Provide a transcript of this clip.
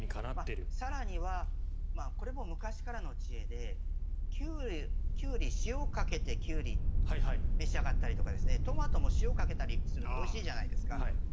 更には、これも昔からの知恵で塩かけてキュウリを召し上がったりとかトマトも塩をかけたりするとおいしいじゃないですか。